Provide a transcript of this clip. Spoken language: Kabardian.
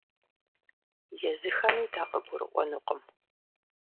Езыхэми дакъыгурыӏуэнукъым.